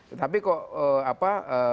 tetapi kok apa